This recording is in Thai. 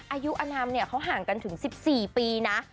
อายุอนามเนี่ยเขาห่างกันถึง๑๔ปีนะ